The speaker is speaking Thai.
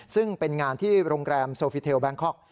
ซึ่งเป็นงานที่โรงแรมโซฟิเทลแบงคอก